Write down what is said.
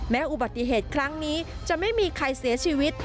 อุบัติเหตุครั้งนี้จะไม่มีใครเสียชีวิต